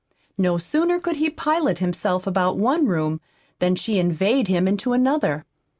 No sooner could he pilot himself about one room than she inveigled him into another.